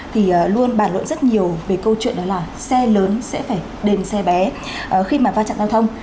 thì luôn bàn luận rất nhiều về câu chuyện đó là xe lớn sẽ phải đền xe bé khi mà va chạm giao thông